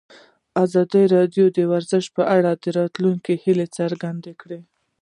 ازادي راډیو د ورزش په اړه د راتلونکي هیلې څرګندې کړې.